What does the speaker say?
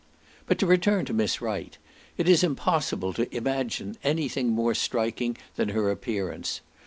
But to return to Miss Wright,—it is impossible to imaging any thing more striking than her appearance.